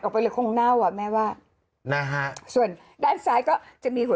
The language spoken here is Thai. ไปเลยคงเน่าอ่ะแม่ว่านะฮะส่วนด้านซ้ายก็จะมีหัว